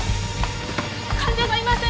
患者がいません！